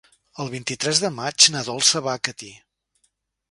El vint-i-tres de maig na Dolça va a Catí.